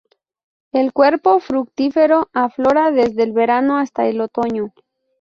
El cuerpo fructífero aflora desde el verano hasta el otoño.